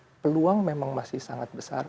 nah peluang memang masih sangat besar